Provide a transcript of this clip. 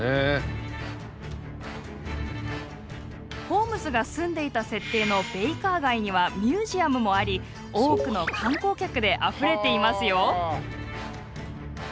ホームズが住んでいた設定のベイカー街にはミュージアムもあり多くの観光客であふれていますよ。